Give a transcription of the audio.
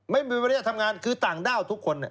ไม่มีบรรยากาศทำงานคือต่างด้าวทุกคน